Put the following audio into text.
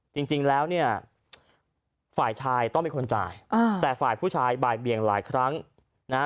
จริงแล้วเนี่ยฝ่ายชายต้องเป็นคนจ่ายอ่าแต่ฝ่ายผู้ชายบ่ายเบียงหลายครั้งนะฮะ